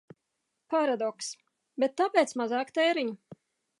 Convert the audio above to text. Paradokss. Bet tāpēc mazāk tēriņu.